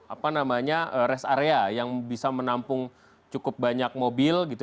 apa namanya rest area yang bisa menampung cukup banyak mobil gitu